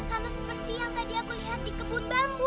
sama seperti yang tadi aku lihat di kebun bambu